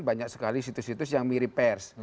banyak sekali situs situs yang mirip pers